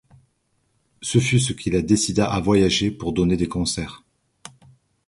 Ce fut ce qui la décida à voyager pour donner des concerts.